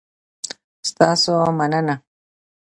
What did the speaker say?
ستاسو مننه؟